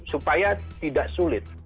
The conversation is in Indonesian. supaya tidak sulit